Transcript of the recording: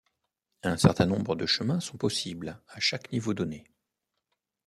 Un certain nombre de chemins sont possibles à chaque niveau donné.